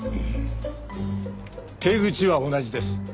手口は同じです。